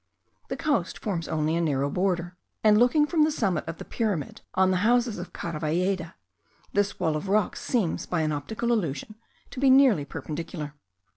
The coast forms only a narrow border; and looking from the summit of the pyramid on the houses of Caravalleda, this wall of rocks seems, by an optical illusion, to be nearly perpendicular.